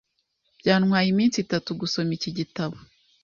Byantwaye iminsi itatu gusoma iki gitabo.